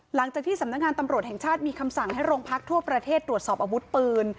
หลังจากที่สำนักงานตำรวจแห่งชาติมีคำสั่งให้โรงพักทั่วประเทศตรวจสอบอาวุธปืน